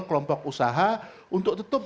kelompok usaha untuk tetap